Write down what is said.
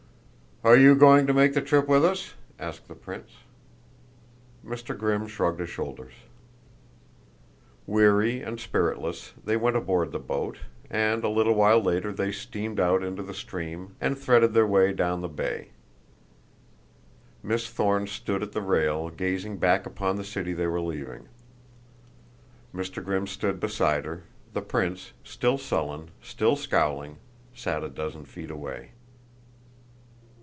"Are you going to make the trip with us?" asked the prince. Mr. Grimm shrugged his shoulders. Weary and spiritless they went aboard the boat, and a little while later they steamed out into the stream and threaded their way down the bay. Miss Thorne stood at the rail gazing back upon the city they were leaving. Mr. Grimm stood beside her; the prince, still sullen, still scowling, sat a dozen feet away.